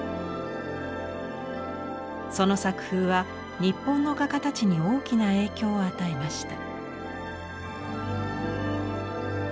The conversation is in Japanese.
その作風は日本の画家たちに大きな影響を与えました。